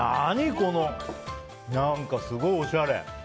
このすごいおしゃれ。